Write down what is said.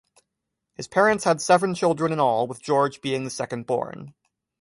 His parents had seven children in all, with Georges being the second-born.